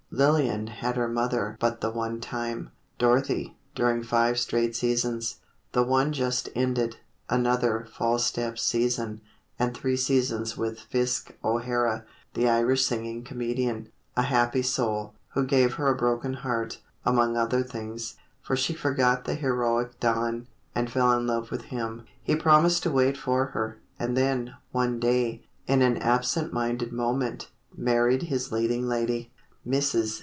Lillian had her mother but the one time; Dorothy, during five straight seasons: the one just ended; another "False Step" season, and three seasons with Fisk O'Hara, the Irish singing comedian, a happy soul, who gave her a broken heart, among other things, for she forgot the heroic Don, and fell in love with him. He promised to wait for her, and then, one day, in an absent minded moment, married his leading lady. Mrs.